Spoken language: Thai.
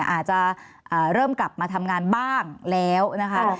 อาจจะเริ่มกลับมาทำงานบ้างแล้วนะคะ